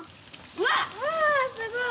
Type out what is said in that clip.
うわすごい！